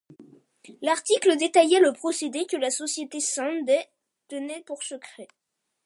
L'article détaillait le procédé, que la société Sande tenait pour secret.